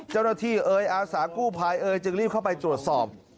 เจ้าหน้าที่เอ๋ยอาสากู้ภายเอ๋ยจึงรีบเข้าไปตรวจสอบ